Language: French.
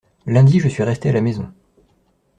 Lundi je suis resté à la maison.